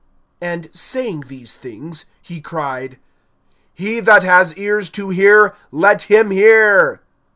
And saying these things, he cried: He that has ears to hear, let him hear.